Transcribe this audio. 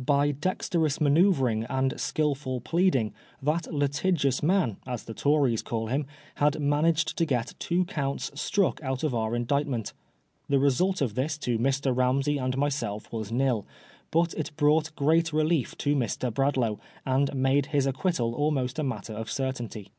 By dexterous manoeuvring and skilful pleading, that litigious man, as the Tories call him, had managed to get two counts struck out of our Indictment. The result of this to Mr. Ramsey and myself was m7, but it brought great relief to Mr. Bradlaugh, and made his acquittal almost a matter of certainty.